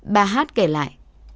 bà hát kể lại